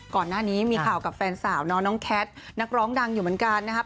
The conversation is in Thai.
ก่อนหน้านี้มีข่าวกับแฟนสาวเนาะน้องแคทนักร้องดังอยู่เหมือนกันนะครับ